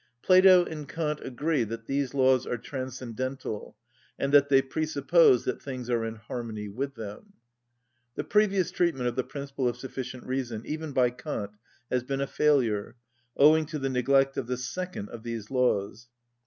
Plato and Kant agree that these laws are transcendental, and that they presuppose that things are in harmony with them. The previous treatment of the principle of sufficient reason, even by Kant, has been a failure, owing to the neglect of the second of these laws.